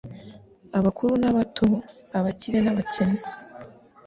abakuru n'abato, abakire n'abakene.